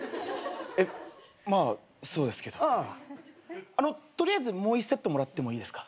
まあそうですけど取りあえずもう１セットもらってもいいですか？